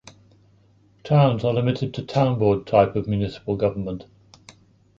Towns are limited to town board type of municipal government.